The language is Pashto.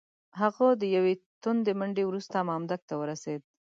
هغه د یوې تودې منډې وروسته مامدک ته ورسېد.